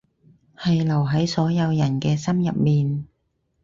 係留喺所有人嘅心入面